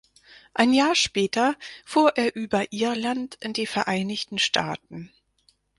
Ein Jahr später fuhr er über Irland in die Vereinigten Staaten.